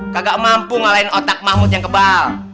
kagak mampu ngalahin otak mahmud yang kebal